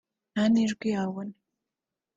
ntanijwi yabona